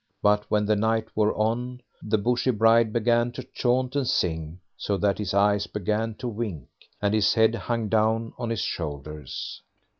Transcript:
But when the night wore on, the Bushy Bride began to chaunt and sing, so that his eyes began to wink, and his head hung down on his shoulders.